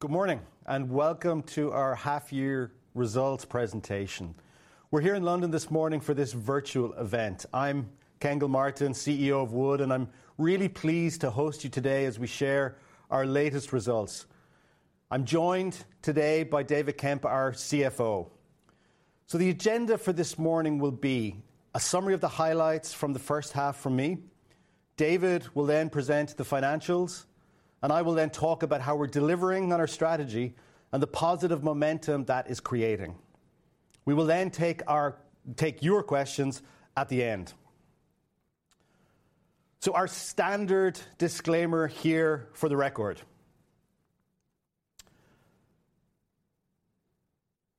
Good morning, and welcome to our half year results presentation. We're here in London this morning for this virtual event. I'm Ken Gilmartin, CEO of Wood, and I'm really pleased to host you today as we share our latest results. I'm joined today by David Kemp, our CFO. The agenda for this morning will be a summary of the highlights from the first half from me. David will then present the financials, and I will then talk about how we're delivering on our strategy and the positive momentum that is creating. We will then take your questions at the end. Our standard disclaimer here for the record.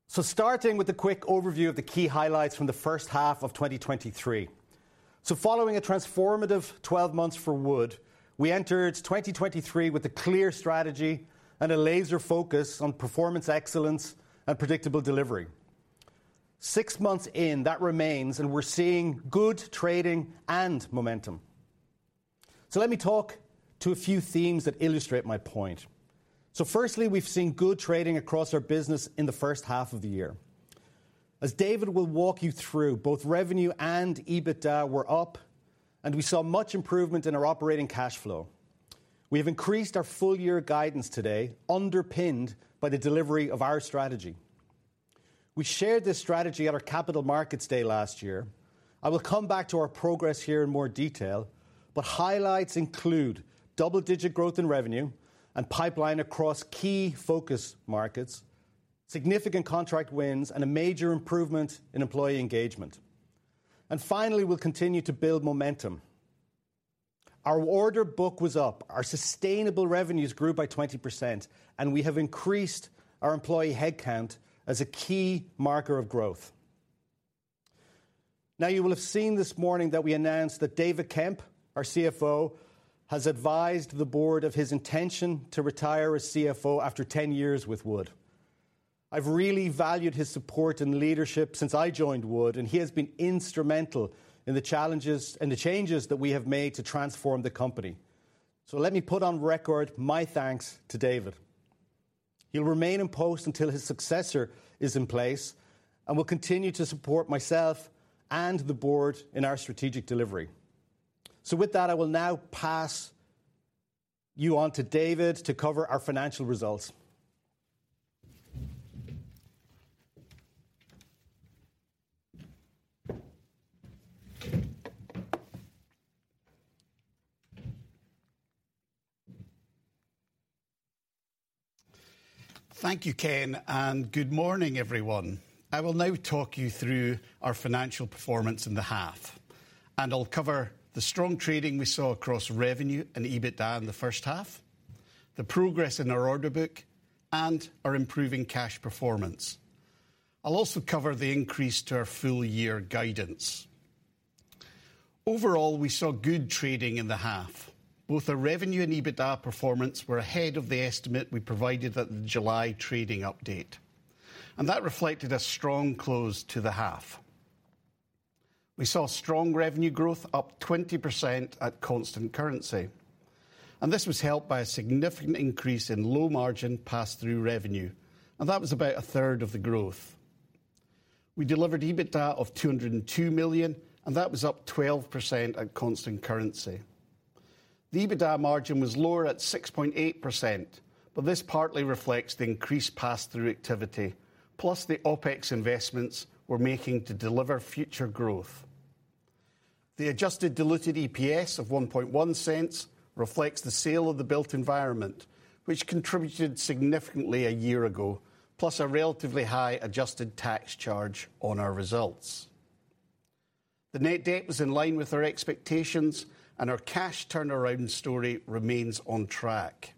Starting with a quick overview of the key highlights from the first half of 2023. Following a transformative 12 months for Wood, we entered 2023 with a clear strategy and a laser focus on performance excellence and predictable delivery. Six months in, that remains, and we're seeing good trading and momentum. Let me talk to a few themes that illustrate my point. Firstly, we've seen good trading across our business in the first half of the year. As David will walk you through, both revenue and EBITDA were up, and we saw much improvement in our operating cash flow. We have increased our full year guidance today, underpinned by the delivery of our strategy. We shared this strategy at our Capital Markets Day last year. I will come back to our progress here in more detail, but highlights include double-digit growth in revenue and pipeline across key focus markets, significant contract wins, and a major improvement in employee engagement. Finally, we'll continue to build momentum. Our order book was up, our sustainable revenues grew by 20%, and we have increased our employee headcount as a key marker of growth. You will have seen this morning that we announced that David Kemp, our CFO, has advised the board of his intention to retire as CFO after 10 years with Wood. I've really valued his support and leadership since I joined Wood, and he has been instrumental in the challenges and the changes that we have made to transform the company. Let me put on record my thanks to David. He'll remain in post until his successor is in place and will continue to support myself and the board in our strategic delivery. With that, I will now pass you on to David to cover our financial results. Thank you, Ken. Good morning, everyone. I will now talk you through our financial performance in the half, and I'll cover the strong trading we saw across revenue and EBITDA in the first half, the progress in our order book, and our improving cash performance. I'll also cover the increase to our full year guidance. Overall, we saw good trading in the half. Both our revenue and EBITDA performance were ahead of the estimate we provided at the July trading update, and that reflected a strong close to the half. We saw strong revenue growth, up 20% at constant currency, and this was helped by a significant increase in low-margin pass-through revenue, and that was about a third of the growth. We delivered EBITDA of 202 million, and that was up 12% at constant currency. The EBITDA margin was lower at 6.8%, this partly reflects the increased pass-through activity, plus the OpEx investments we're making to deliver future growth. The adjusted diluted EPS of $0.011 reflects the sale of the Built Environment, which contributed significantly a year ago, plus a relatively high adjusted tax charge on our results. The net debt was in line with our expectations, and our cash turnaround story remains on track.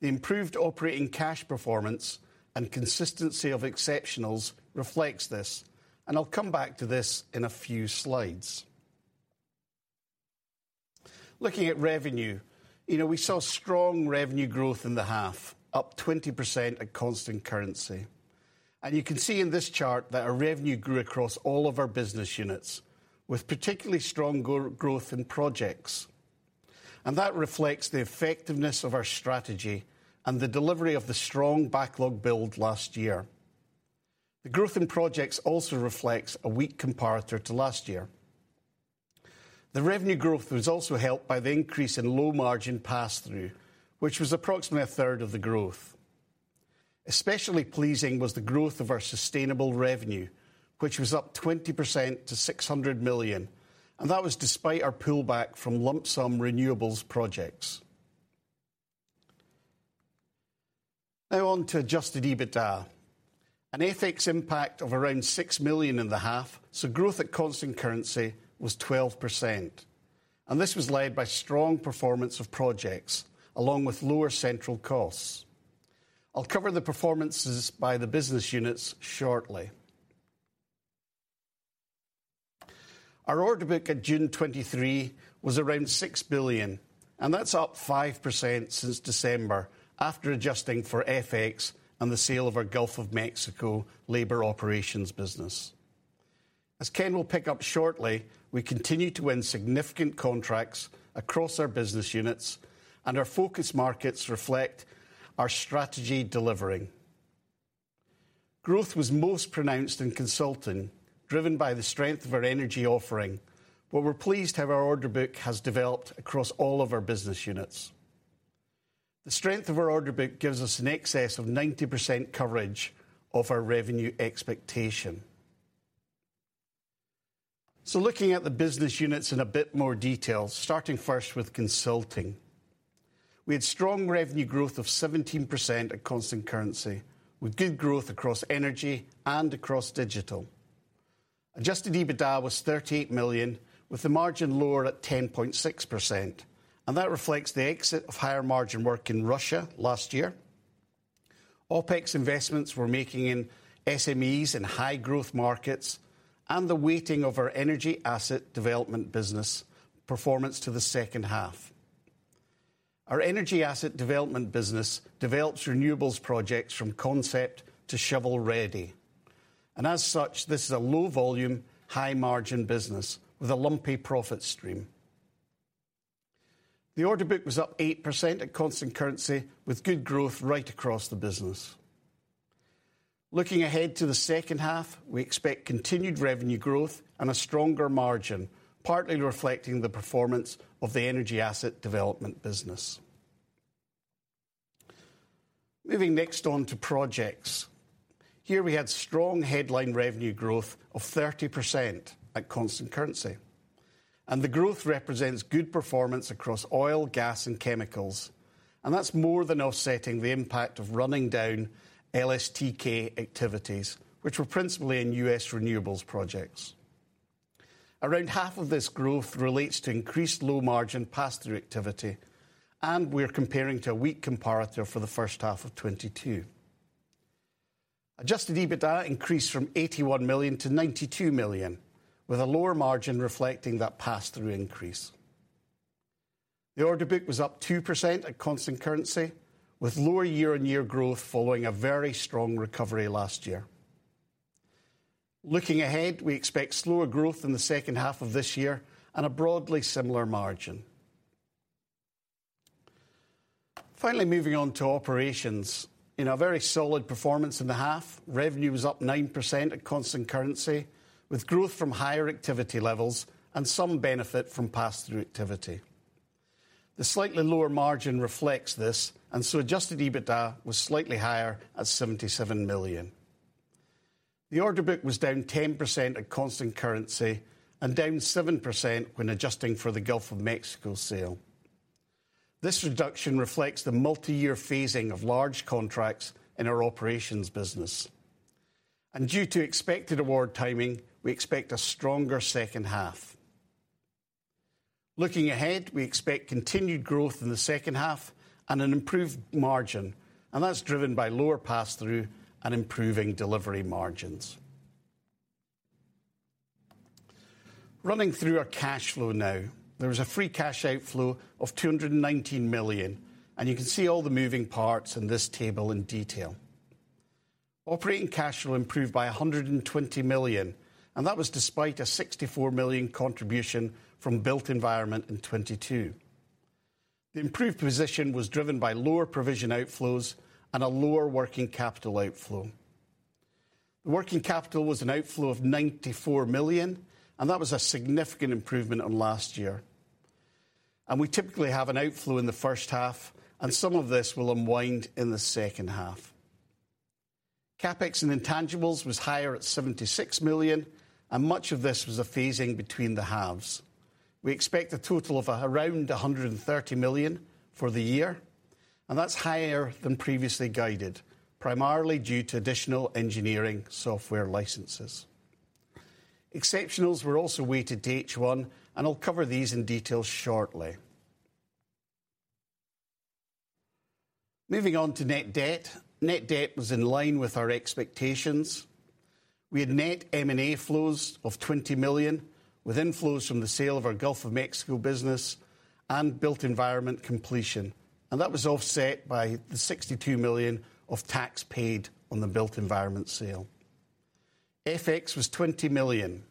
The improved operating cash performance and consistency of exceptionals reflects this, I'll come back to this in a few slides. Looking at revenue, you know, we saw strong revenue growth in the half, up 20% at constant currency. You can see in this chart that our revenue grew across all of our business units, with particularly strong growth in projects. That reflects the effectiveness of our strategy and the delivery of the strong backlog build last year. The growth in projects also reflects a weak comparator to last year. The revenue growth was also helped by the increase in low-margin pass-through, which was approximately a third of the growth. Especially pleasing was the growth of our sustainable revenue, which was up 20% to 600 million, and that was despite our pullback from lump sum renewables projects. Now on to adjusted EBITDA. An FX impact of around 6.5 million, so growth at constant currency was 12%, and this was led by strong performance of projects along with lower central costs. I'll cover the performances by the business units shortly. Our order book at June 2023 was around 6 billion. That's up 5% since December, after adjusting for FX and the sale of our Gulf of Mexico labor operations business. As Ken will pick up shortly, we continue to win significant contracts across our business units, and our focus markets reflect our strategy delivering. Growth was most pronounced in consulting, driven by the strength of our energy offering. We're pleased how our order book has developed across all of our business units. The strength of our order book gives us an excess of 90% coverage of our revenue expectation. Looking at the business units in a bit more detail, starting first with consulting. We had strong revenue growth of 17% at constant currency, with good growth across energy and across digital. Adjusted EBITDA was 38 million, with the margin lower at 10.6%, that reflects the exit of higher margin work in Russia last year. OpEx investments we're making in SMEs and high growth markets and the weighting of our energy asset development business performance to the second half. Our energy asset development business develops renewables projects from concept to shovel ready, as such, this is a low volume, high margin business with a lumpy profit stream. The order book was up 8% at constant currency, with good growth right across the business. Looking ahead to the second half, we expect continued revenue growth and a stronger margin, partly reflecting the performance of the energy asset development business. Moving next on to projects. Here we had strong headline revenue growth of 30% at constant currency. The growth represents good performance across oil, gas, and chemicals, and that's more than offsetting the impact of running down LSTK activities, which were principally in U.S. renewables projects. Around half of this growth relates to increased low margin pass-through activity. We are comparing to a weak comparator for the first half of 2022. Adjusted EBITDA increased from 81 million to 92 million, with a lower margin reflecting that pass-through increase. The order book was up 2% at constant currency, with lower year-on-year growth following a very strong recovery last year. Looking ahead, we expect slower growth in the second half of this year and a broadly similar margin. Moving on to operations. In a very solid performance in the half, revenue was up 9% at constant currency, with growth from higher activity levels and some benefit from pass-through activity. The slightly lower margin reflects this, and so adjusted EBITDA was slightly higher at 77 million. The order book was down 10% at constant currency and down 7% when adjusting for the Gulf of Mexico sale. This reduction reflects the multi-year phasing of large contracts in our operations business. Due to expected award timing, we expect a stronger second half. Looking ahead, we expect continued growth in the second half and an improved margin, and that's driven by lower pass-through and improving delivery margins. Running through our cash flow now. There was a free cash outflow of 219 million, and you can see all the moving parts in this table in detail. Operating cash flow improved by 120 million, that was despite a 64 million contribution from built environment in 2022. The improved position was driven by lower provision outflows and a lower working capital outflow. The working capital was an outflow of 94 million, that was a significant improvement on last year. We typically have an outflow in the first half, and some of this will unwind in the second half. CapEx and intangibles was higher at 76 million, much of this was a phasing between the halves. We expect a total of around 130 million for the year, that's higher than previously guided, primarily due to additional engineering software licenses. Exceptionals were also weighted to H1, I'll cover these in detail shortly. Moving on to net debt. Net debt was in line with our expectations. We had net M&A flows of 20 million, with inflows from the sale of our Gulf of Mexico business and built environment completion, that was offset by the 62 million of tax paid on the built environment sale. FX was 20 million,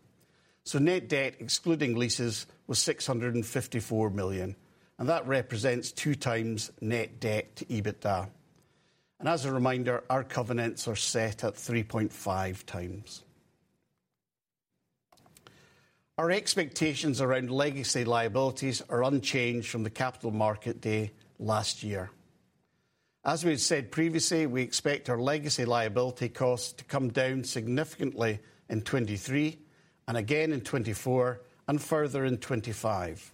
net debt, excluding leases, was 654 million, and that represents 2x net debt to EBITDA. As a reminder, our covenants are set at 3.5X. Our expectations around legacy liabilities are unchanged from the Capital Markets Day last year. As we said previously, we expect our legacy liability costs to come down significantly in 2023 and again in 2024 and further in 2025.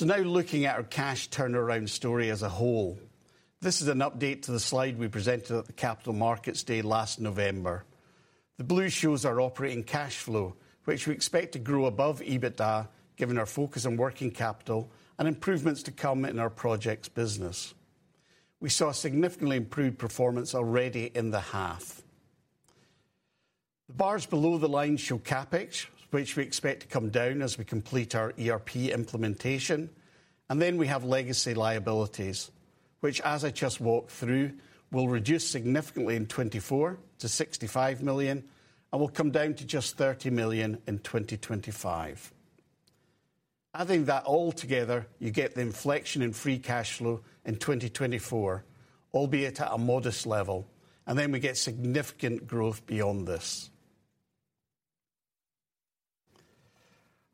Now looking at our cash turnaround story as a whole. This is an update to the slide we presented at the Capital Markets Day last November. The blue shows our operating cash flow, which we expect to grow above EBITDA, given our focus on working capital and improvements to come in our projects business. We saw a significantly improved performance already in the half. The bars below the line show CapEx, which we expect to come down as we complete our ERP implementation. Then we have legacy liabilities, which, as I just walked through, will reduce significantly in 2024 to 65 million and will come down to just 30 million in 2025. Adding that all together, you get the inflection in free cash flow in 2024, albeit at a modest level, and then we get significant growth beyond this.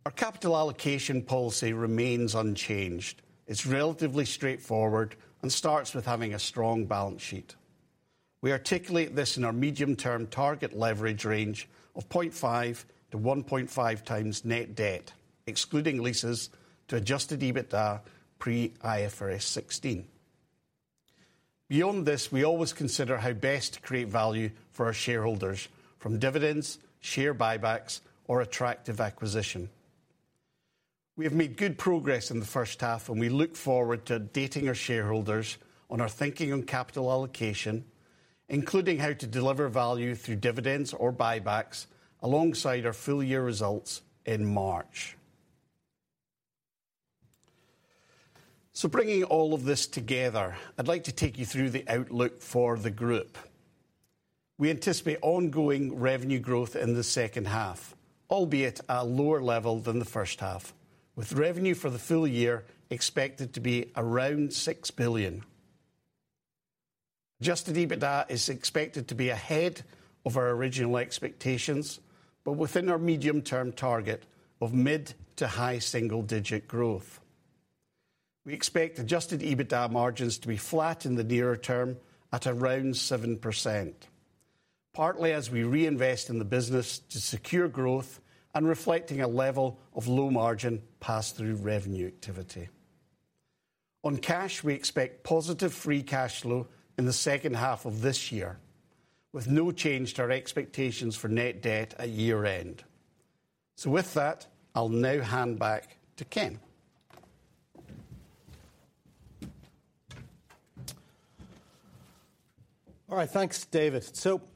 Our capital allocation policy remains unchanged. It's relatively straightforward and starts with having a strong balance sheet. We articulate this in our medium-term target leverage range of 0.5x to 1.5x net debt, excluding leases to adjusted EBITDA pre IFRS 16. Beyond this, we always consider how best to create value for our shareholders from dividends, share buybacks, or attractive acquisition. We have made good progress in the first half. We look forward to updating our shareholders on our thinking on capital allocation, including how to deliver value through dividends or buybacks alongside our full year results in March. Bringing all of this together, I'd like to take you through the outlook for the group. We anticipate ongoing revenue growth in the second half, albeit at a lower level than the first half, with revenue for the full year expected to be around 6 billion. Adjusted EBITDA is expected to be ahead of our original expectations, but within our medium-term target of mid to high single-digit growth. We expect adjusted EBITDA margins to be flat in the nearer term at around 7%, partly as we reinvest in the business to secure growth and reflecting a level of low margin pass-through revenue activity. On cash, we expect positive free cash flow in the second half of this year, with no change to our expectations for net debt at year-end. With that, I'll now hand back to Ken. All right, thanks, David.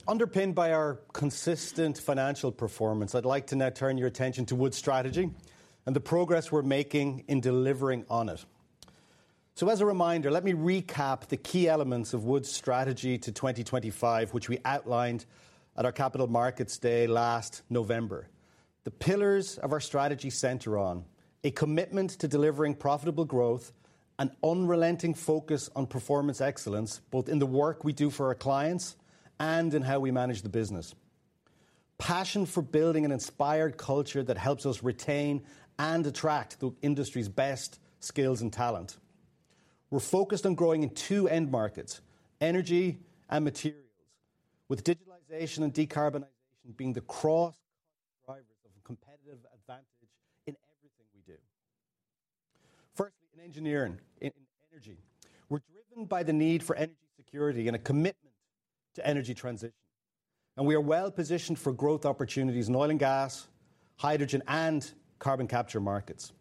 Underpinned by our consistent financial performance, I'd like to now turn your attention to Wood's strategy and the progress we're making in delivering on it. As a reminder, let me recap the key elements of Wood's strategy to 2025, which we outlined at our Capital Markets Day last November. The pillars of our strategy center on a commitment to delivering profitable growth and unrelenting focus on performance excellence, both in the work we do for our clients and in how we manage the business. Passion for building an inspired culture that helps us retain and attract the industry's best skills and talent. We're focused on growing in two end markets, energy and materials, with digitalization and decarbonization being the cross drivers of competitive advantage in everything we do. Firstly, in engineering, in energy, we're driven by the need for energy security and a commitment to energy transition, and we are well positioned for growth opportunities in oil and gas, hydrogen, and carbon capture markets.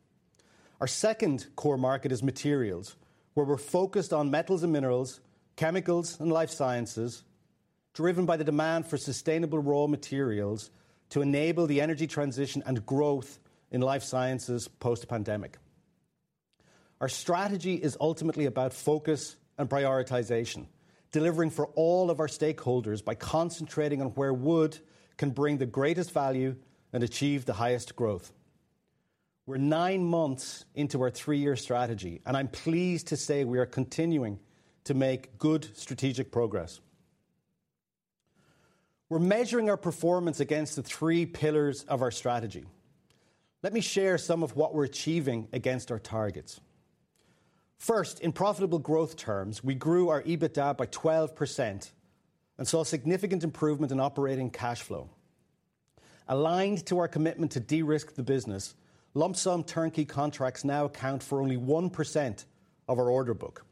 Our second core market is materials, where we're focused on metals and minerals, chemicals and life sciences, driven by the demand for sustainable raw materials to enable the energy transition and growth in life sciences post-pandemic. Our strategy is ultimately about focus and prioritization, delivering for all of our stakeholders by concentrating on where Wood can bring the greatest value and achieve the highest growth. We're nine months into our three-year strategy. I'm pleased to say we are continuing to make good strategic progress. We're measuring our performance against the three pillars of our strategy. Let me share some of what we're achieving against our targets. First, in profitable growth terms, we grew our EBITDA by 12% and saw significant improvement in operating cash flow. Aligned to our commitment to de-risk the business, lump sum turnkey contracts now account for only 1% of our order book.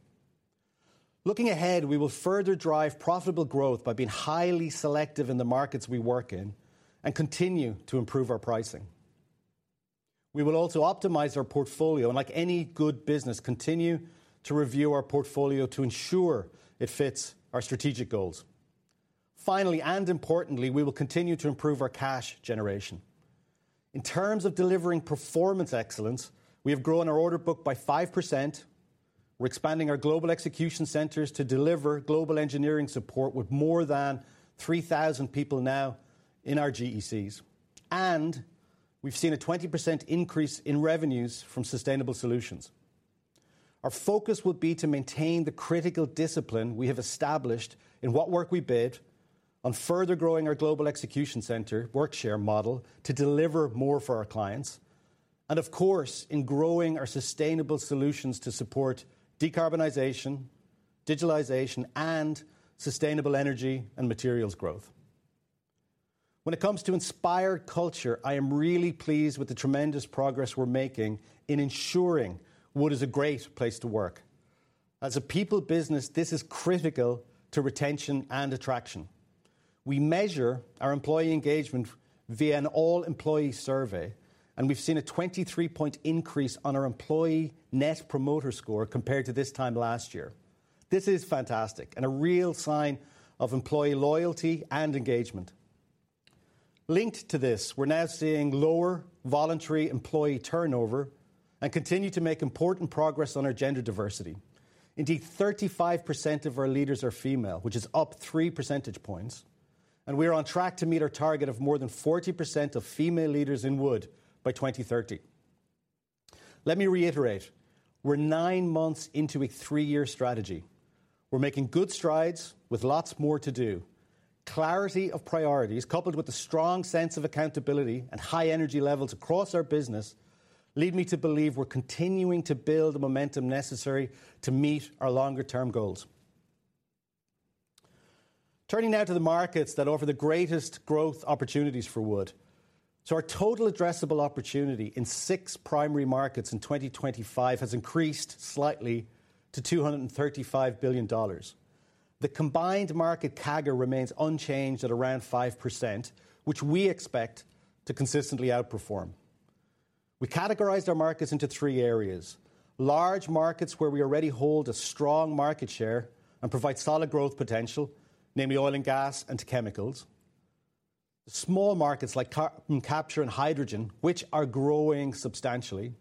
Looking ahead, we will further drive profitable growth by being highly selective in the markets we work in and continue to improve our pricing. We will also optimize our portfolio and, like any good business, continue to review our portfolio to ensure it fits our strategic goals. Finally, and importantly, we will continue to improve our cash generation. In terms of delivering performance excellence, we have grown our order book by 5%. We're expanding our Global Execution Centers to deliver global engineering support with more than 3,000 people now in our GECs, and we've seen a 20% increase in revenues from sustainable solutions. Our focus will be to maintain the critical discipline we have established in what work we bid on further growing our Global Execution Center work share model to deliver more for our clients and, of course, in growing our sustainable solutions to support decarbonization, digitalization, and sustainable energy and materials growth. When it comes to inspire culture, I am really pleased with the tremendous progress we're making in ensuring Wood is a great place to work. As a people business, this is critical to retention and attraction. We measure our employee engagement via an all-employee survey, and we've seen a 23-point increase on our employee Net Promoter Score compared to this time last year. This is fantastic and a real sign of employee loyalty and engagement. Linked to this, we're now seeing lower voluntary employee turnover and continue to make important progress on our gender diversity. Indeed, 35% of our leaders are female, which is up 3 percentage points, and we are on track to meet our target of more than 40% of female leaders in Wood by 2030. Let me reiterate: we're nine months into a three-year strategy. We're making good strides with lots more to do. Clarity of priorities, coupled with a strong sense of accountability and high energy levels across our business, lead me to believe we're continuing to build the momentum necessary to meet our longer term goals. Turning now to the markets that offer the greatest growth opportunities for Wood. Our total addressable opportunity in six primary markets in 2025 has increased slightly to $235 billion. The combined market CAGR remains unchanged at around 5%, which we expect to consistently outperform. We categorized our markets into three areas: large markets, where we already hold a strong market share and provide solid growth potential, namely oil and gas and chemicals, small markets, like carbon capture and hydrogen, which are growing substantially, and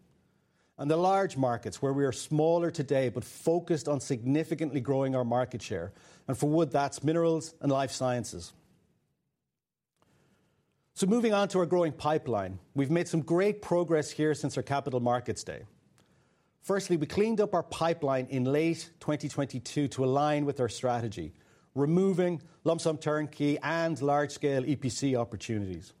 the large markets, where we are smaller today, but focused on significantly growing our market share, and for Wood, that's minerals and life sciences. Moving on to our growing pipeline. We've made some great progress here since our Capital Markets Day. Firstly, we cleaned up our pipeline in late 2022 to align with our strategy, removing lump sum turnkey and large-scale EPC opportunities.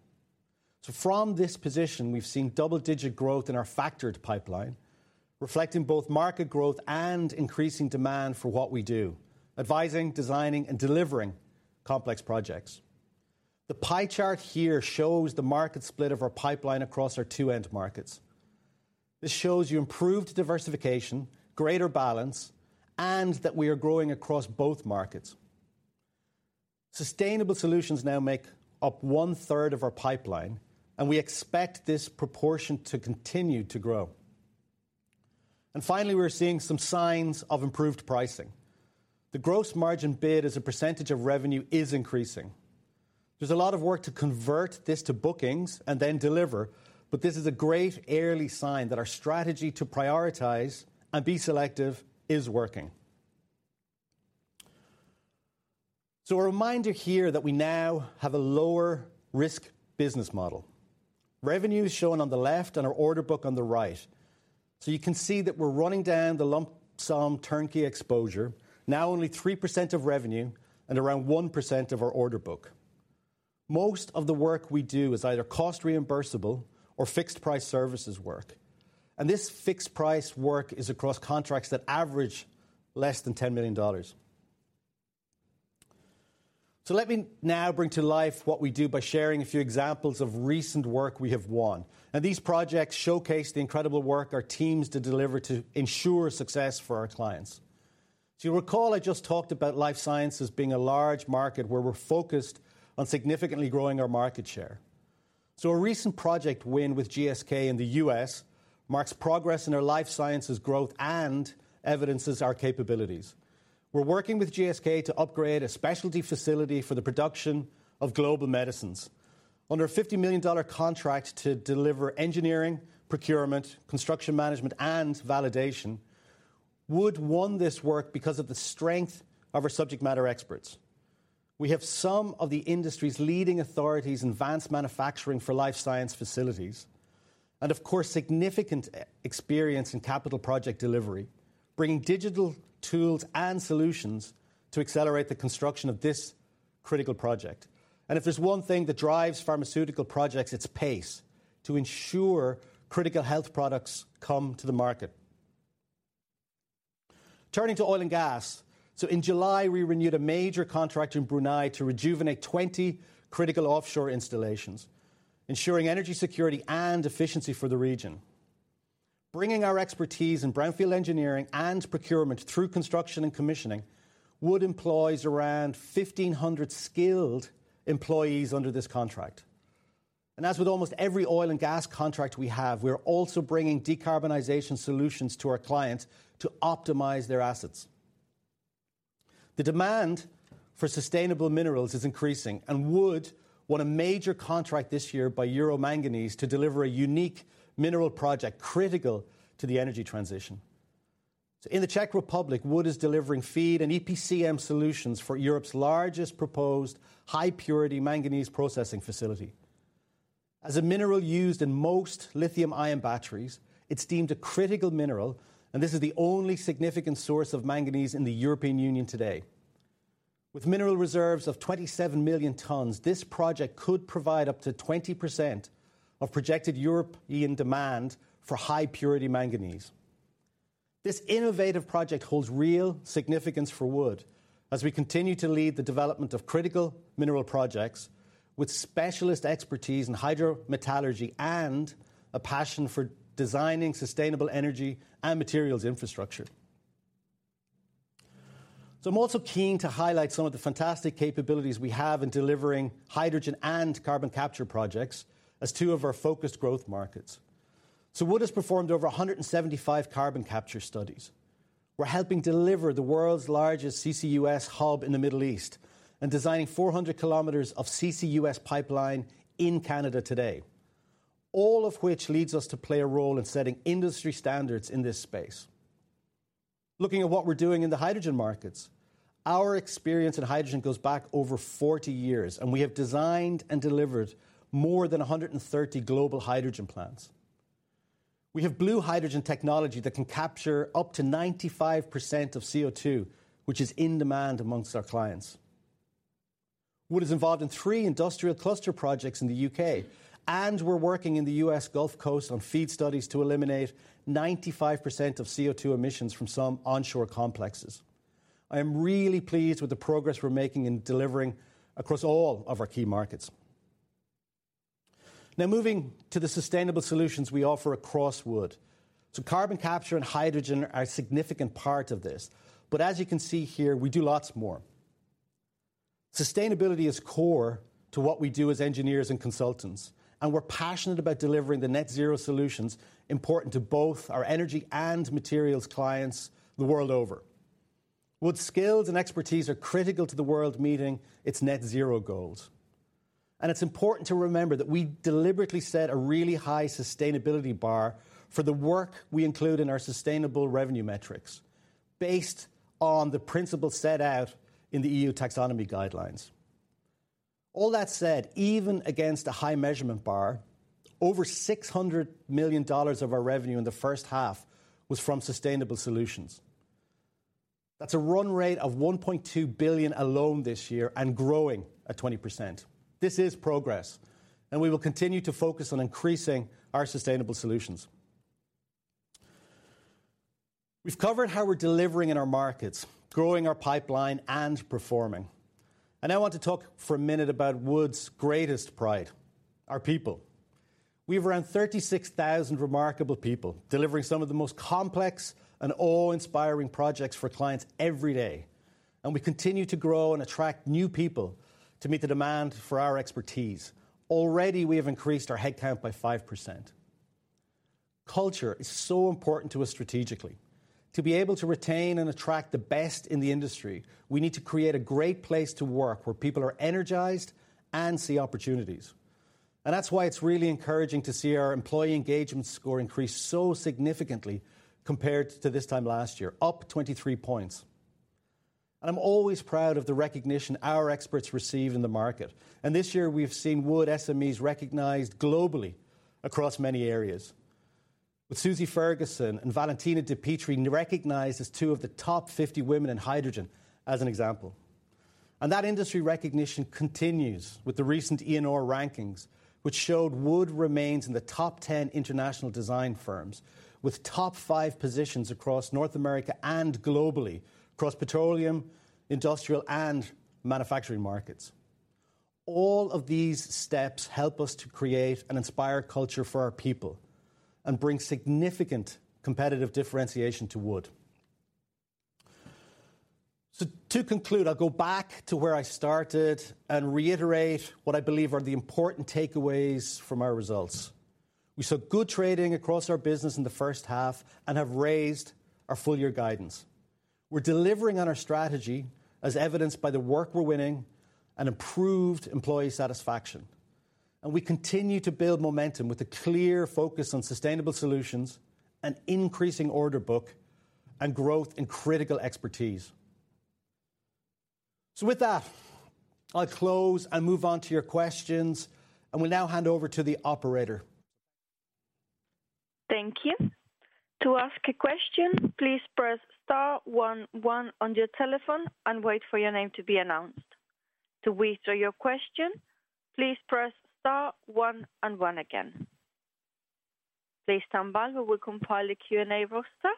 From this position, we've seen double-digit growth in our factored pipeline, reflecting both market growth and increasing demand for what we do: advising, designing, and delivering complex projects. The pie chart here shows the market split of our pipeline across our two end markets. This shows you improved diversification, greater balance, and that we are growing across both markets. Sustainable solutions now make up one third of our pipeline, and we expect this proportion to continue to grow. Finally, we're seeing some signs of improved pricing. The gross margin bid as a percentage of revenue is increasing. There's a lot of work to convert this to bookings and then deliver, but this is a great early sign that our strategy to prioritize and be selective is working. A reminder here that we now have a lower risk business model. Revenue is shown on the left and our order book on the right. You can see that we're running down the lump sum turnkey exposure, now only 3% of revenue and around 1% of our order book. Most of the work we do is either cost reimbursable or fixed price services work, and this fixed price work is across contracts that average less than $10 million. Let me now bring to life what we do by sharing a few examples of recent work we have won, and these projects showcase the incredible work our teams to deliver to ensure success for our clients. You'll recall, I just talked about life sciences being a large market where we're focused on significantly growing our market share. A recent project win with GSK in the U.S. marks progress in our life sciences growth and evidences our capabilities. We're working with GSK to upgrade a specialty facility for the production of global medicines. Under a $50 million contract to deliver engineering, procurement, construction management, and validation, Wood won this work because of the strength of our subject matter experts. We have some of the industry's leading authorities in advanced manufacturing for life science facilities and, of course, significant experience in capital project delivery, bringing digital tools and solutions to accelerate the construction of this critical project. If there's one thing that drives pharmaceutical projects, it's pace, to ensure critical health products come to the market. Turning to oil and gas. In July, we renewed a major contract in Brunei to rejuvenate 20 critical offshore installations, ensuring energy security and efficiency for the region. Bringing our expertise in brownfield engineering and procurement through construction and commissioning, Wood employs around 1,500 skilled employees under this contract. As with almost every oil and gas contract we have, we are also bringing decarbonization solutions to our clients to optimize their assets. The demand for sustainable minerals is increasing, and Wood won a major contract this year by Euro Manganese to deliver a unique mineral project critical to the energy transition. In the Czech Republic, Wood is delivering FEED and EPCM solutions for Europe's largest proposed high-purity manganese processing facility. As a mineral used in most lithium-ion batteries, it's deemed a critical mineral, and this is the only significant source of manganese in the European Union today. With mineral reserves of 27 million tons, this project could provide up to 20% of projected European demand for high-purity manganese. This innovative project holds real significance for Wood as we continue to lead the development of critical mineral projects with specialist expertise in hydrometallurgy and a passion for designing sustainable energy and materials infrastructure. I'm also keen to highlight some of the fantastic capabilities we have in delivering hydrogen and carbon capture projects as two of our focused growth markets. Wood has performed over 175 carbon capture studies. We're helping deliver the world's largest CCUS hub in the Middle East, and designing 400 km of CCUS pipeline in Canada today. All of which leads us to play a role in setting industry standards in this space. Looking at what we're doing in the hydrogen markets, our experience in hydrogen goes back over 40 years, and we have designed and delivered more than 130 global hydrogen plants. We have blue hydrogen technology that can capture up to 95% of CO2, which is in demand amongst our clients. Wood is involved in 3 industrial cluster projects in the U.K., we're working in the U.S. Gulf Coast on FEED studies to eliminate 95% of CO2 emissions from some onshore complexes. I am really pleased with the progress we're making in delivering across all of our key markets. Moving to the sustainable solutions we offer across Wood. Carbon capture and hydrogen are a significant part of this, as you can see here, we do lots more. Sustainability is core to what we do as engineers and consultants, and we're passionate about delivering the net zero solutions important to both our energy and materials clients the world over. Wood skills and expertise are critical to the world meeting its net zero goals, and it's important to remember that we deliberately set a really high sustainability bar for the work we include in our sustainable revenue metrics, based on the principles set out in the EU Taxonomy guidelines. All that said, even against a high measurement bar, over $600 million of our revenue in the first half was from sustainable solutions. That's a run rate of $1.2 billion alone this year and growing at 20%. This is progress, and we will continue to focus on increasing our sustainable solutions. We've covered how we're delivering in our markets, growing our pipeline and performing. I want to talk for a minute about Wood's greatest pride, our people. We have around 36,000 remarkable people delivering some of the most complex and awe-inspiring projects for clients every day. We continue to grow and attract new people to meet the demand for our expertise. Already, we have increased our headcount by 5%. Culture is so important to us strategically. To be able to retain and attract the best in the industry, we need to create a great place to work, where people are energized and see opportunities. That's why it's really encouraging to see our employee engagement score increase so significantly compared to this time last year, up 23 points. I'm always proud of the recognition our experts receive in the market. This year we've seen Wood SMEs recognized globally across many areas, with Suzie Ferguson and Valentina Depetri recognized as two of the top 50 women in hydrogen, as an example. That industry recognition continues with the recent ENR rankings, which showed Wood remains in the top 10 international design firms, with top five positions across North America and globally, across petroleum, industrial, and manufacturing markets. All of these steps help us to create an inspired culture for our people and bring significant competitive differentiation to Wood. To conclude, I'll go back to where I started and reiterate what I believe are the important takeaways from our results. We saw good trading across our business in the first half and have raised our full year guidance. We're delivering on our strategy, as evidenced by the work we're winning and improved employee satisfaction, and we continue to build momentum with a clear focus on sustainable solutions and increasing order book and growth in critical expertise. With that, I'll close and move on to your questions, and will now hand over to the operator. Thank you. To ask a question, please press star one one on your telephone and wait for your name to be announced. To withdraw your question, please press star one and one again. Please stand by while we compile a Q&A roster.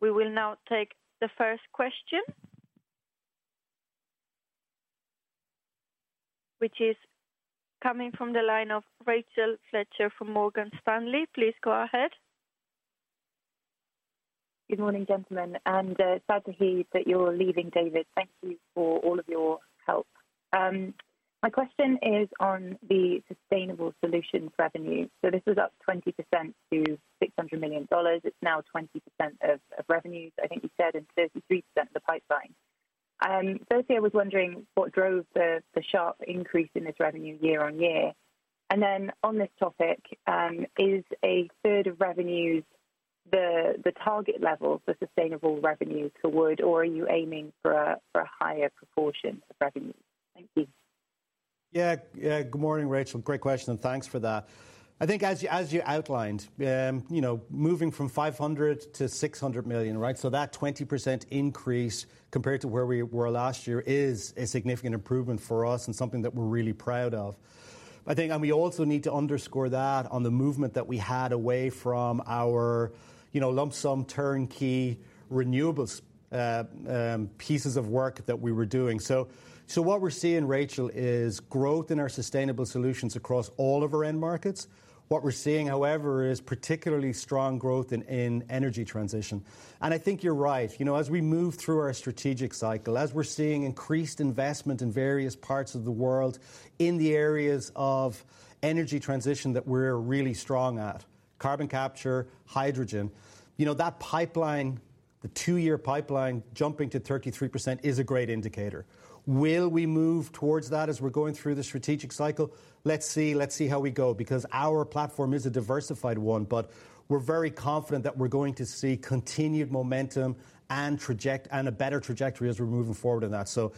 We will now take the first question, which is coming from the line of Rachel Fletcher from Morgan Stanley. Please go ahead. Good morning, gentlemen, sad to hear that you're leaving, David. Thank you for all of your help. My question is on the sustainable solutions revenue. This was up 20% to GBP 600 million. It's now 20% of revenues, I think you said, and 33% in the pipeline. Firstly, I was wondering what drove the sharp increase in this revenue year-on-year. Then on this topic, is 33% of revenues the target level for sustainable revenue to Wood, or are you aiming for a higher proportion of revenue? Thank you. Yeah, yeah. Good morning, Rachel. Great question, and thanks for that. I think as you, as you outlined, you know, moving from 500 million to 600 million, right? So that 20% increase compared to where we were last year is a significant improvement for us and something that we're really proud of. I think, and we also need to underscore that on the movement that we had away from our, you know, lump sum turnkey renewables, pieces of work that we were doing. What we're seeing, Rachel, is growth in our sustainable solutions across all of our end markets. What we're seeing, however, is particularly strong growth in, in energy transition. I think you're right. You know, as we move through our strategic cycle, as we're seeing increased investment in various parts of the world in the areas of energy transition that we're really strong at carbon capture, hydrogen. You know, that pipeline, the two-year pipeline jumping to 33% is a great indicator. Will we move towards that as we're going through the strategic cycle? Let's see, let's see how we go, because our platform is a diversified one, but we're very confident that we're going to see continued momentum and trajectory and a better trajectory as we're moving forward on that. So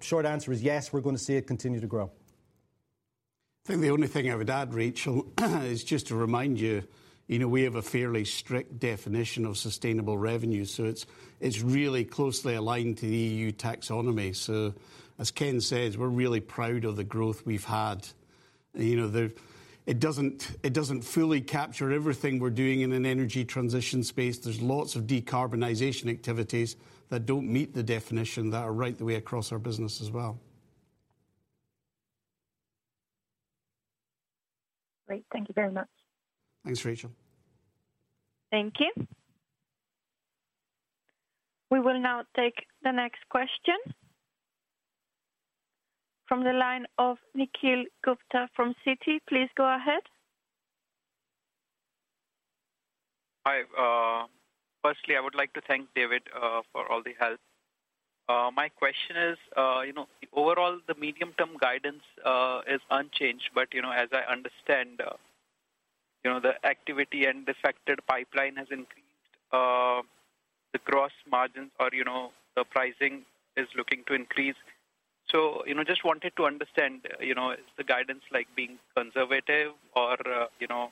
short answer is yes, we're gonna see it continue to grow. I think the only thing I would add, Rachel, is just to remind you, you know, we have a fairly strict definition of sustainable revenue, so it's, it's really closely aligned to the EU Taxonomy. So as Ken says, we're really proud of the growth we've had. You know, it doesn't, it doesn't fully capture everything we're doing in an energy transition space. There's lots of decarbonization activities that don't meet the definition that are right the way across our business as well. Great. Thank you very much. Thanks, Rachel. Thank you. We will now take the next question from the line of Nikhil Gupta from Citi. Please go ahead. Hi, firstly, I would like to thank David for all the help. My question is, you know, overall, the medium-term guidance is unchanged, but, you know, as I understand, you know, the activity and affected pipeline has increased, the gross margins or, you know, the pricing is looking to increase. You know, just wanted to understand, you know, is the guidance like being conservative or, you know,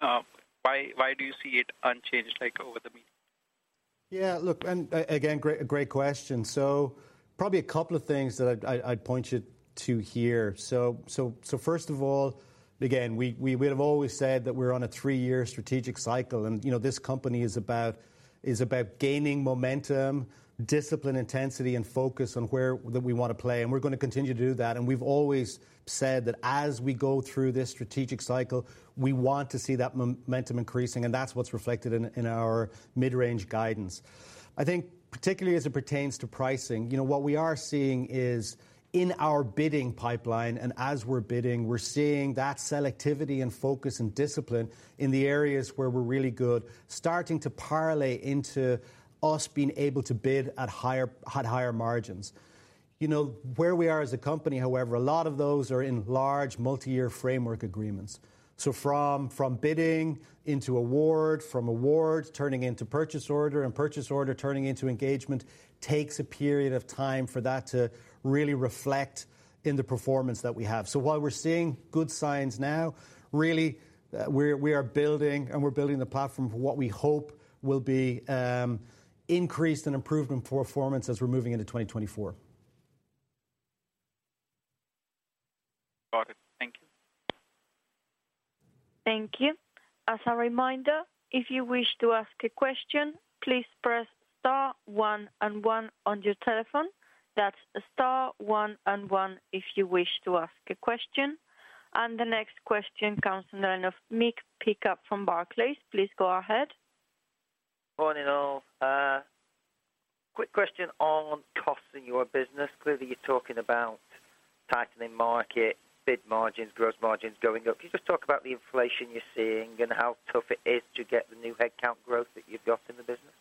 why, why do you see it unchanged, like, over the meeting? Yeah, look, again, great, great question. Probably a couple of things that I'd, I'd, I'd point you to here. First of all, again, we, we have always said that we're on a three-year strategic cycle, and, you know, this company is about, is about gaining momentum, discipline, intensity, and focus on where that we want to play. We're gonna continue to do that. We've always said that as we go through this strategic cycle, we want to see that momentum increasing, and that's what's reflected in our mid-range guidance. I think, particularly as it pertains to pricing, you know, what we are seeing is in our bidding pipeline, and as we're bidding, we're seeing that selectivity and focus and discipline in the areas where we're really good, starting to parlay into us being able to bid at higher, at higher margins. You know, where we are as a company, however, a lot of those are in large multi-year framework agreements. So from, from bidding into award, from award turning into purchase order, and purchase order turning into engagement, takes a period of time for that to really reflect in the performance that we have. So while we're seeing good signs now, really, we're, we are building, and we're building the platform for what we hope will be, increased and improved in performance as we're moving into 2024. Got it. Thank you. Thank you. As a reminder, if you wish to ask a question, please press star one and one on your telephone. That's star one and one if you wish to ask a question. The next question comes in the line of Mick Pickup from Barclays. Please go ahead. Morning, all. Quick question on costs in your business. Clearly, you're talking about tightening market, bid margins, gross margins going up. Can you just talk about the inflation you're seeing and how tough it is to get the new headcount growth that you've got in the business?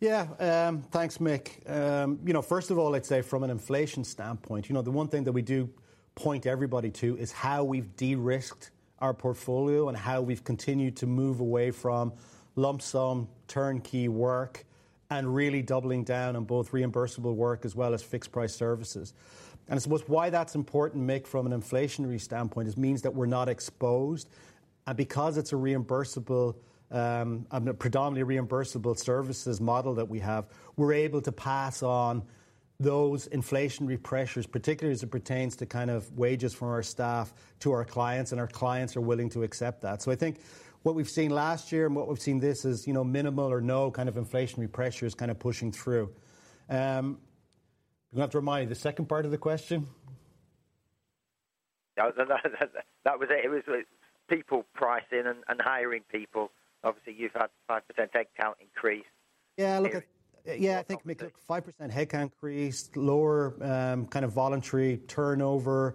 Yeah, thanks, Mick. You know, first of all, I'd say from an inflation standpoint, you know, the one thing that we do point everybody to is how we've de-risked our portfolio and how we've continued to move away from lump sum turnkey work and really doubling down on both reimbursable work as well as fixed price services. I suppose why that's important, Mick, from an inflationary standpoint, is means that we're not exposed. Because it's a reimbursable, a predominantly reimbursable services model that we have, we're able to pass on those inflationary pressures, particularly as it pertains to kind of wages from our staff to our clients, and our clients are willing to accept that. I think what we've seen last year and what we've seen this is, you know, minimal or no kind of inflationary pressure is kind of pushing through. You want to remind me the second part of the question? No, that was it. It was people pricing and hiring people. Obviously, you've had 5% headcount increase. Yeah, look at... Yeah, I think, Mick, look, 5% headcount increase, lower, kind of voluntary turnover,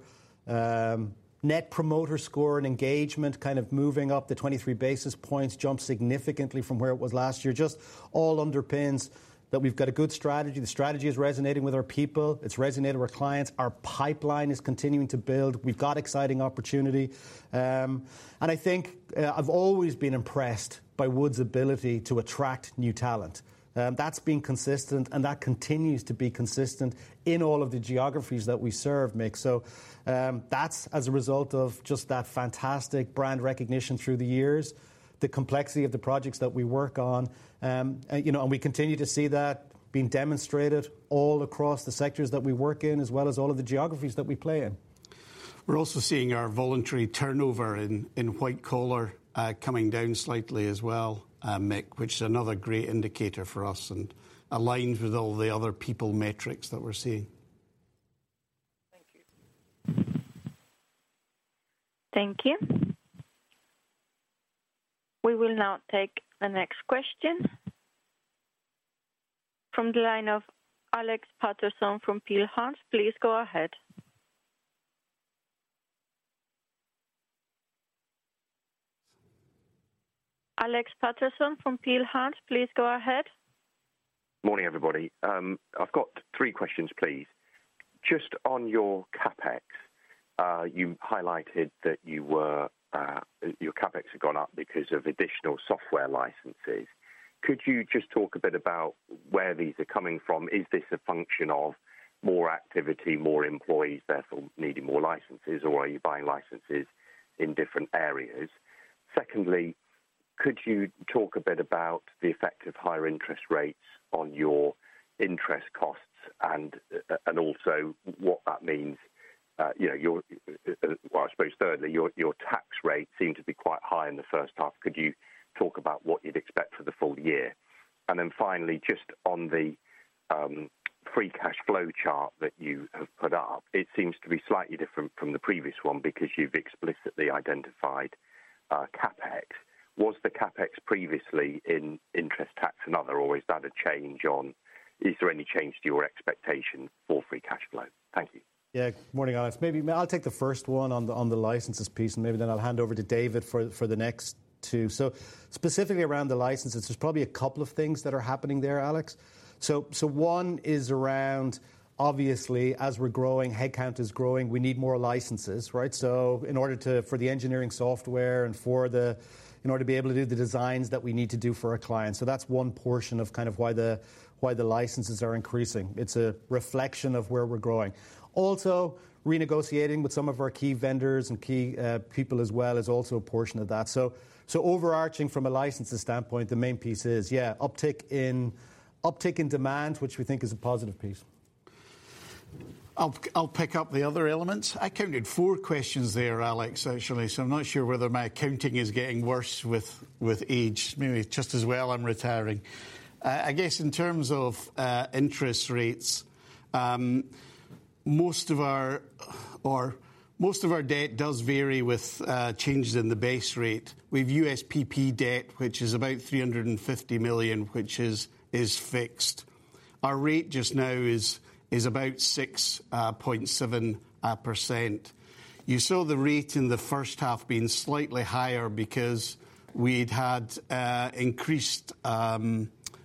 Net Promoter Score and engagement, kind of moving up to 23 basis points, jumped significantly from where it was last year. Just all underpins that we've got a good strategy. The strategy is resonating with our people. It's resonating with our clients. Our pipeline is continuing to build. We've got exciting opportunity. I think, I've always been impressed by Wood's ability to attract new talent. That's been consistent, and that continues to be consistent in all of the geographies that we serve, Mick. That's as a result of just that fantastic brand recognition through the years, the complexity of the projects that we work on, and, you know, and we continue to see that being demonstrated all across the sectors that we work in, as well as all of the geographies that we play in. We're also seeing our voluntary turnover in, in white collar, coming down slightly as well, Mick, which is another great indicator for us and aligns with all the other people metrics that we're seeing. Thank you. Thank you. We will now take the next question. From the line of Alex Paterson from Peel Hunt. Please go ahead. Alex Paterson from Peel Hunt, please go ahead. Morning, everybody. I've got three questions, please. Just on your CapEx, you highlighted that you were, your CapEx had gone up because of additional software licenses. Could you just talk a bit about where these are coming from? Is this a function of more activity, more employees, therefore needing more licenses, or are you buying licenses in different areas? Secondly, could you talk a bit about the effect of higher interest rates on your interest costs and also what that means, you know, your, I suppose thirdly, your tax rate seemed to be quite high in the first half. Could you talk about what you'd expect for the full year? Then finally, just on the free cash flow chart that you have put up, it seems to be slightly different from the previous one because you've explicitly identified CapEx. Was the CapEx previously in interest, tax and other, or is that a change? Is there any change to your expectation for free cash flow? Thank you. Yeah. Morning, Alex. Maybe I'll take the first one on the, on the licenses piece, and maybe then I'll hand over to David for, for the next two. Specifically around the licenses, there's probably a couple of things that are happening there, Alex. So one is around obviously, as we're growing, headcount is growing, we need more licenses, right? For the engineering software and for the, in order to be able to do the designs that we need to do for our clients. That's one portion of kind of why the, why the licenses are increasing. It's a reflection of where we're growing. Renegotiating with some of our key vendors and key people as well is also a portion of that. So overarching, from a licenses standpoint, the main piece is, yeah, uptick in demand, which we think is a positive piece. I'll, I'll pick up the other elements. I counted four questions there, Alex, actually, so I'm not sure whether my accounting is getting worse with, with age. Maybe it's just as well I'm retiring. I guess in terms of interest rates, most of our, or most of our debt does vary with changes in the base rate. We've USPP debt, which is about 350 million, which is, is fixed. Our rate just now is, is about 6.7%. You saw the rate in the first half being slightly higher because we'd had increased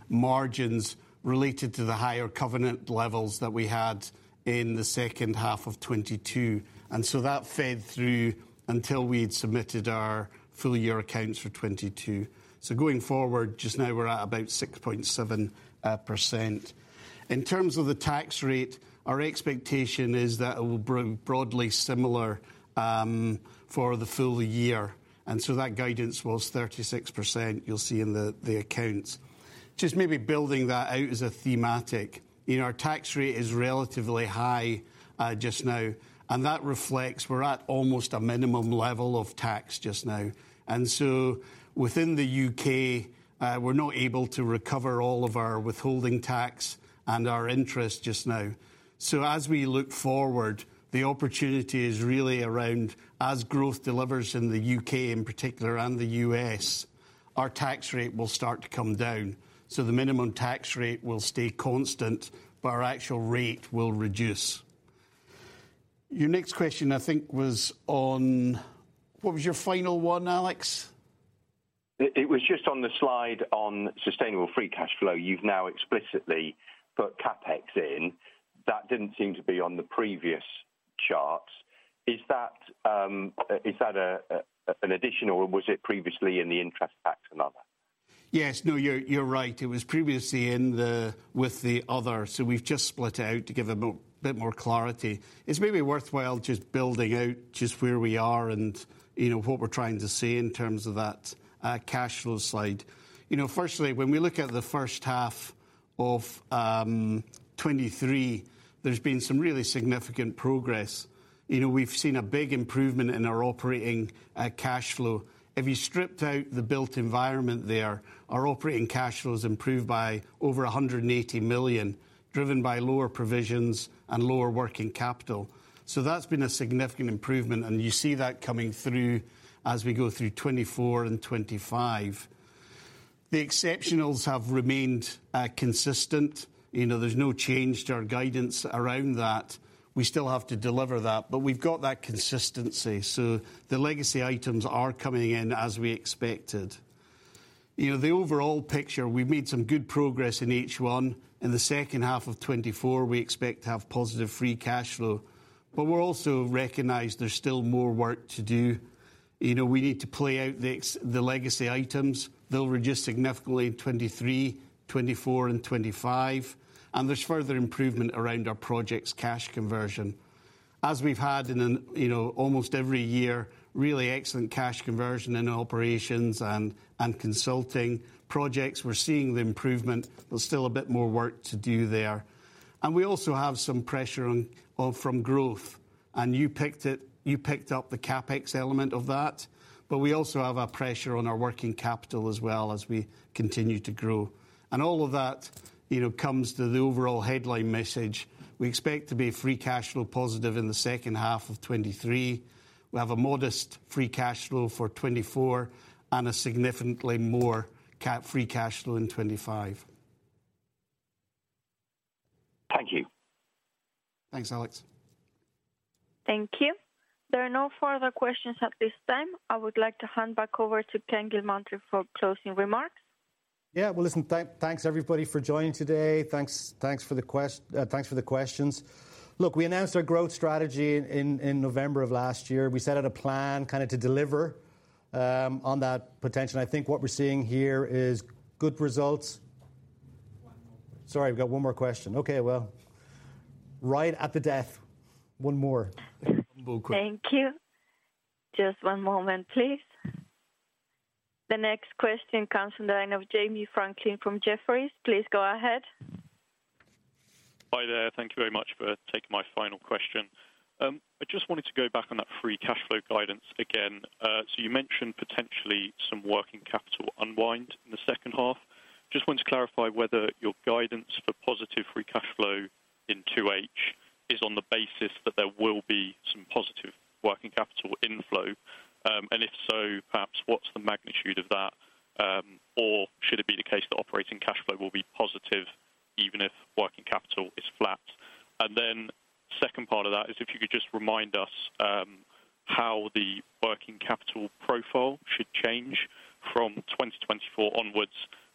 margins related to the higher covenant levels that we had in the second half of 2022, and that fed through until we'd submitted our full year accounts for 2022. Going forward, just now we're at about 6.7%. In terms of the tax rate, our expectation is that it will be broadly similar for the full year, and so that guidance was 36%, you'll see in the accounts. Just maybe building that out as a thematic, you know, our tax rate is relatively high just now, and that reflects we're at almost a minimum level of tax just now. Within the U.K., we're not able to recover all of our withholding tax and our interest just now. As we look forward, the opportunity is really around as growth delivers in the U.K. in particular, and the U.S., our tax rate will start to come down. The minimum tax rate will stay constant, but our actual rate will reduce. Your next question, I think, was on. What was your final one, Alex? It, it was just on the slide on sustainable free cash flow. You've now explicitly put CapEx in. That didn't seem to be on the previous charts. Is that an addition, or was it previously in the interest tax and other? Yes, no, you're, you're right. It was previously in the, with the other, so we've just split out to give a bit more clarity. It's maybe worthwhile just building out just where we are and, you know, what we're trying to say in terms of that cash flow slide. You know, firstly, when we look at the first half of 2023, there's been some really significant progress. You know, we've seen a big improvement in our operating cash flow. If you stripped out the built environment there, our operating cash flow has improved by over 180 million, driven by lower provisions and lower working capital. That's been a significant improvement, and you see that coming through as we go through 2024 and 2025. The exceptionals have remained consistent. You know, there's no change to our guidance around that. We still have to deliver that, but we've got that consistency, so the legacy items are coming in as we expected. You know, the overall picture, we've made some good progress in H1. In the second half of 2024, we expect to have positive free cash flow, but we're also recognized there's still more work to do. You know, we need to play out the legacy items. They'll reduce significantly in 2023, 2024 and 2025, and there's further improvement around our projects cash conversion. As we've had in, you know, almost every year, really excellent cash conversion in operations and consulting projects. We're seeing the improvement. There's still a bit more work to do there. We also have some pressure on from growth, and you picked it, you picked up the CapEx element of that, but we also have a pressure on our working capital as well as we continue to grow. All of that, you know, comes to the overall headline message. We expect to be free cash flow positive in the second half of 2023. We have a modest free cash flow for 2024 and a significantly more free cash flow in 2025. Thank you. Thanks, Alex. Thank you. There are no further questions at this time. I would like to hand back over to Ken Gilmartin for closing remarks. Yeah, well, listen, thank, thanks everybody for joining today. Thanks, thanks for the questions. Look, we announced our growth strategy in, in November of last year. We set out a plan kinda to deliver on that potential. I think what we're seeing here is good results. Sorry, I've got one more question. Okay, well, right at the death. One more. Thank you. Just one moment, please. The next question comes from the line of Jamie Franklin from Jefferies. Please go ahead. Hi there, thank you very much for taking my final question. I just wanted to go back on that free cash flow guidance again. You mentioned potentially some working capital unwind in the second half. Just wanted to clarify whether your guidance for positive free cash flow in 2H is on the basis that there will be some positive working capital inflow? If so, perhaps what's the magnitude of that, or should it be the case that operating cash flow will be positive even if working capital is flat? Second part of that is if you could just remind us, how the working capital profile should change from 2024 onwards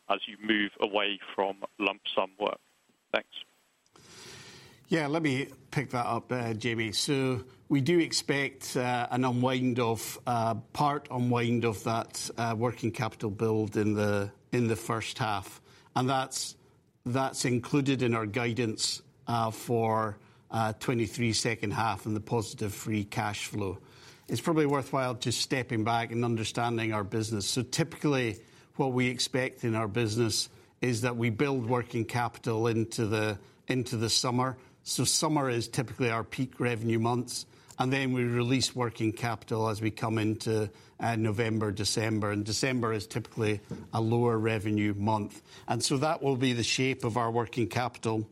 as you move away from lump sum work. Thanks. Yeah, let me pick that up, Jamie. We do expect an unwind of part unwind of that working capital build in the first half, and that's included in our guidance for 2023 second half and the positive free cash flow. It's probably worthwhile just stepping back and understanding our business. Typically, what we expect in our business is that we build working capital into the summer. Summer is typically our peak revenue months, and then we release working capital as we come into November, December, December is typically a lower revenue month. That will be the shape of our working capital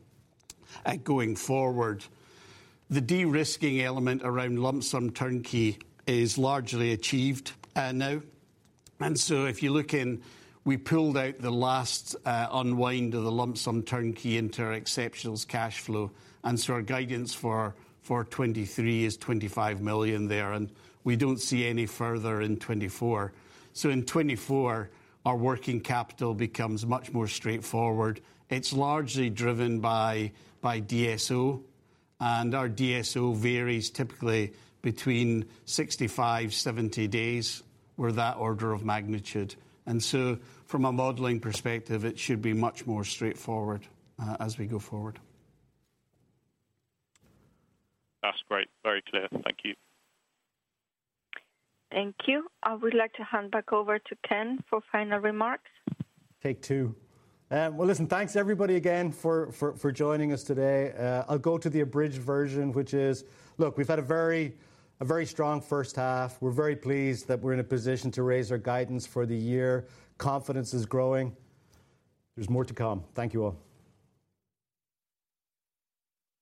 going forward. The de-risking element around lump sum turnkey is largely achieved now. If you look in, we pulled out the last unwind of the lump sum turnkey into our exceptionals cash flow. Our guidance for, for 2023 is 25 million there, and we don't see any further in 2024. In 2024, our working capital becomes much more straightforward. It's largely driven by, by DSO, and our DSO varies typically between 65-70 days where that order of magnitude. From a modeling perspective, it should be much more straightforward as we go forward. That's great. Very clear. Thank you. Thank you. I would like to hand back over to Ken for final remarks. Take two. Well, listen, thanks, everybody, again, for, for, for joining us today. I'll go to the abridged version, which is: Look, we've had a very, a very strong first half. We're very pleased that we're in a position to raise our guidance for the year. Confidence is growing. There's more to come. Thank you, all.